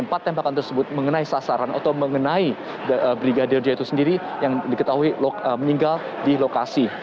empat tembakan tersebut mengenai sasaran atau mengenai brigadir j itu sendiri yang diketahui meninggal di lokasi